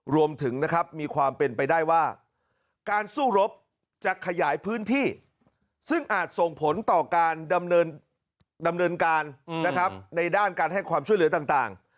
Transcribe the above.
ดำเนินการในด้านการให้ความช่วยเหลือต่าง